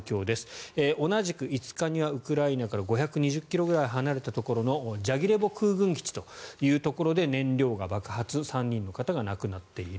同じく５日には、ウクライナから５２０ｋｍぐらい離れたところのジャギレボ空軍基地というところで燃料が爆発３人の方が亡くなっている。